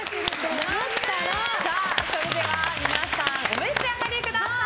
それでは皆さんお召し上がりください。